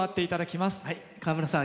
川村さん